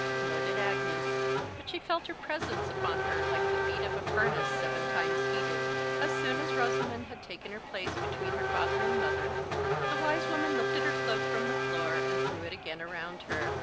Nor did Agnes, but she felt her presence upon her like the beat of a furnace seven times heated. As soon as Rosamond had taken her place between her father and mother, the wise woman lifted her cloak from the floor, and threw it again around her.